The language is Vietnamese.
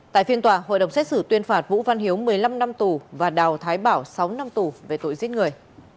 tại phiên tòa hội đồng xét xử tuyên phạt vũ văn hiếu một mươi năm năm tù và đào thái bảo sáu năm tù về tội giết người